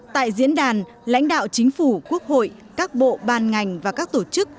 tại diễn đàn lãnh đạo chính phủ quốc hội các bộ ban ngành và các tổ chức